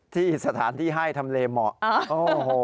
ที่สถานที่ให้ทำเลเหมาะโอ้โห